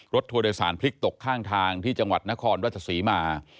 ทัวร์โดยสารพลิกตกข้างทางที่จังหวัดนครราชศรีมา